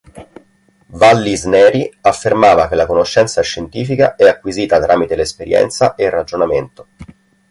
Vallisneri affermava che la conoscenza scientifica è acquisita tramite l'esperienza e il ragionamento.